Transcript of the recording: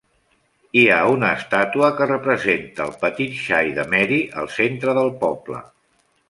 Hi ha una estàtua que representa el petit xai de Mary al centre del poble.